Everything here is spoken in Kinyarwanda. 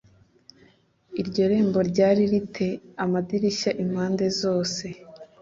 Iryo rembo ryari ri te amadirishya impande zose